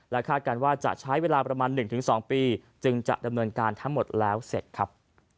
คาดการณ์ว่าจะใช้เวลาประมาณ๑๒ปีจึงจะดำเนินการทั้งหมดแล้วเสร็จครับ